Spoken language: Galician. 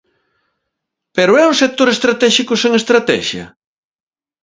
Pero é un sector estratéxico sen estratexia?